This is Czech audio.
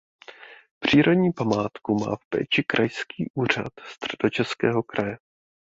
Přírodní památku má v péči Krajský úřad Středočeského kraje.